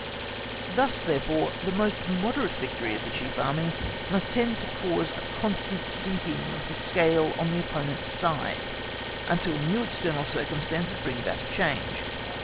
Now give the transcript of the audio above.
Thus, therefore, the most moderate victory of the chief Army must tend to cause a constant sinking of the scale on the opponent's side, until new external circumstances bring about a change.